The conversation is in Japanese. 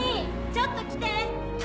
ちょっと来て！